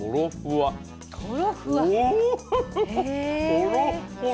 ほろっほろ。